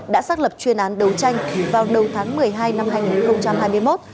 đã xác lập chuyên án đấu tranh vào đầu tháng một mươi hai năm hai nghìn hai mươi một